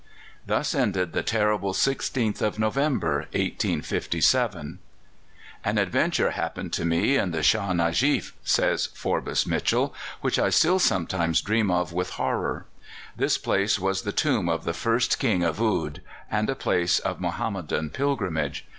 Thus ended the terrible 16th of November, 1857. "An adventure happened to me in the Shâh Nujeef," says Forbes Mitchell, "which I still sometimes dream of with horror. This place was the tomb of the first King of Oude, and a place of Mohammedan pilgrimage.